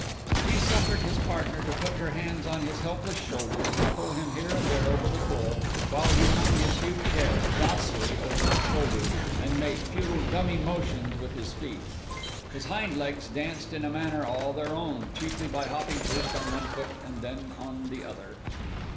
He suffered his partner to put her hands on his helpless shoulders and pull him here and there over the floor while he hung his huge head docilely over her shoulder and made futile dummy motions with his feet. His hind legs danced in a manner all their own, chiefly by hopping first on one foot and then on the other.